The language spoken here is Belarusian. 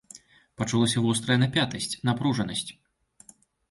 Пачулася вострая напятасць, напружанасць.